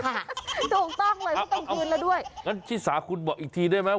ถูกต้องเลยเขาต้องคืนแล้วด้วยงั้นชิสาคุณบอกอีกทีได้ไหม